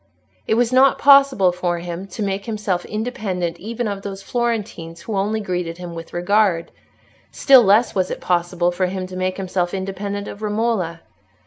It was not possible for him to make himself independent even of those Florentines who only greeted him with regard; still less was it possible for him to make himself independent of Romola.